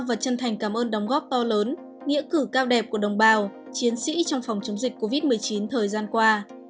và chân thành cảm ơn đóng góp to lớn nghĩa cử cao đẹp của đồng bào chiến sĩ trong phòng chống dịch covid một mươi chín thời gian qua